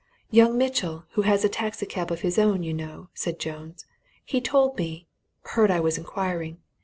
"Young Mitchell, who has a taxi cab of his own, you know," said Jones. "He told me heard I was inquiring.